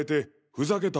ふざけた